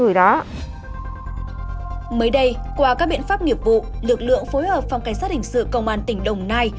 mới đây qua các biện pháp nghiệp vụ lực lượng phối hợp phòng cảnh sát hình sự công an tỉnh đồng nai